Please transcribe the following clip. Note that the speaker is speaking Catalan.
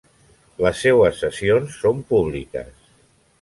Les seues sessions són públiques.